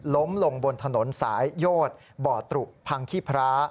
ล้มลงบนถนนสายโยธบ่อตรุพังขี้พระ